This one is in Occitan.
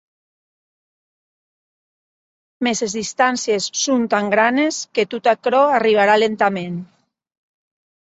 Mès es distàncies son tan granes que tot açò arribarà lentaments.